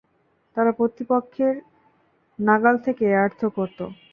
তারা প্রতিপক্ষের নাগাল থেকে এয়ার থ্রো করতো।